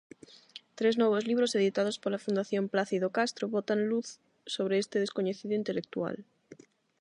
Tres novos libros editados pola Fundación Plácido Castro botan luz sobre este descoñecido intelectual.